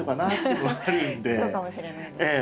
そうかもしれない。